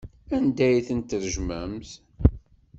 Anda ay tent-tṛejmemt?